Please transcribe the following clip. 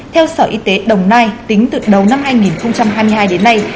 theo sở y tế đồng nai tính từ đầu năm hai nghìn hai mươi hai đến nay